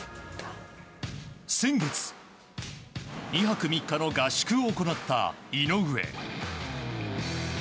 先月２泊３日の合宿を行った井上。